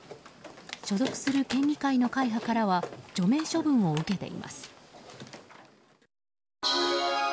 所属する県議会の会派からは除名処分を受けています。